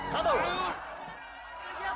bajak mau mohon bajak